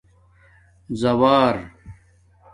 زَاوار